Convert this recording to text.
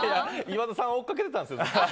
岩田さんを追っかけてたんですよ。